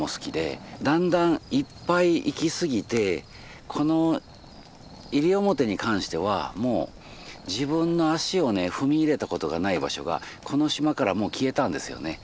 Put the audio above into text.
だんだんいっぱい行き過ぎてこの西表に関してはもう自分の足をね踏み入れたことがない場所がこの島からもう消えたんですよね。